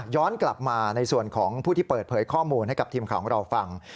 ย้อนกลับมาในส่วนของผู้ที่เปิดเผยข้อมูลให้กับทีมข่าวของเราฟัง